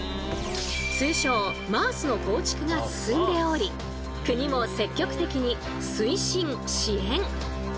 通称ＭａａＳの構築が進んでおり国も積極的に推進支援。